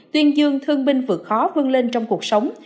tuyên dương thương binh vượt khó vươn lên trong cuộc sống